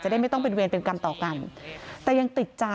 จะได้ไม่ต้องเป็นเวรเป็นกรรมต่อกัน